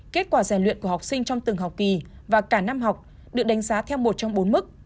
kết quả rèn luyện của học sinh trong từng học kỳ và cả năm học được đánh giá theo một trong bốn mức